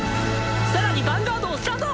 さらにヴァンガードをスタンド